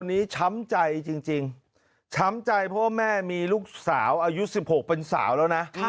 อันนี้ช้ำใจจริงช้ำใจเพราะว่าแม่มีลูกสาวอายุ๑๖เป็นสาวแล้วนะ